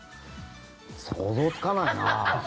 想像つかないなあ。